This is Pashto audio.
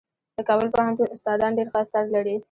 د کابل پوهنتون استادان ډېر ښه اثار لري.